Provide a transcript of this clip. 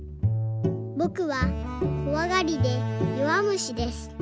「ぼくはこわがりでよわむしです。